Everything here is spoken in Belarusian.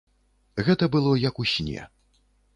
Гэта было як у сне.